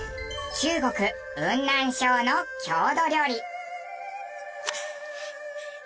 中国雲南省の郷土料理。